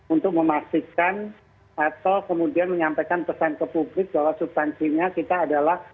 untuk memastikan atau kemudian menyampaikan pesan ke publik bahwa substansinya kita adalah